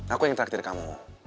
aku yang traktir kamu